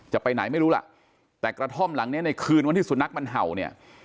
จะไปไหนไม่รู้ล่ะแต่กระท่อมหลังเนี้ยในคืนวันที่สุนัขมันเห่าเนี่ย